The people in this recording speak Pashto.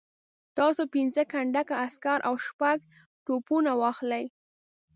تاسو پنځه کنډکه عسکر او شپږ توپونه واخلئ.